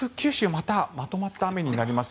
またまとまった雨になります。